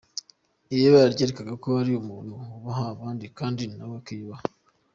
Iri bara ryerekana kandi umuntu wubaha, abandi kandi nawe akiyubaha.